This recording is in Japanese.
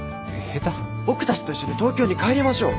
僕たちと一緒に東京に帰りましょう。